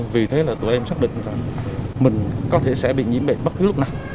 vì thế là tụi em xác định rằng mình có thể sẽ bị nhiễm bệnh bất cứ lúc nào